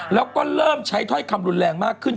แล้วก็เริ่มใช้ถ้อยคำรุนแรงมากขึ้น